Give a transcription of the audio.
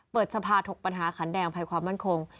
เปิดสภาถกปัญหาขันแดงภัยความมั่นคง